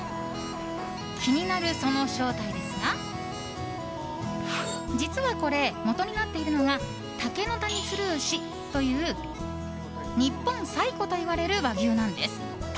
気になるその正体ですが実はこれ、もとになっているのが竹の谷蔓牛という日本最古といわれる和牛なんです。